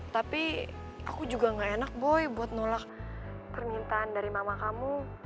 tapi aku juga gak enak boy buat nolak permintaan dari mama kamu